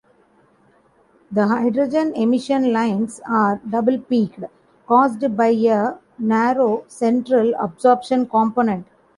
The hydrogen emission lines are double-peaked, caused by a narrow central absorption component.